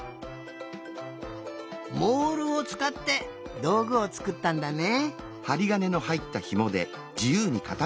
モールをつかってどうぐをつくったんだね。